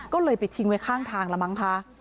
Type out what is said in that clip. ก็เลยไปทิ้งไว้ข้างทางแล้วมั้งคะ